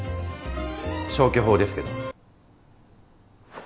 消去法ですけど。